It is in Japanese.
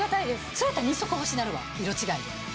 それやったら２足欲しなるわ色違いで。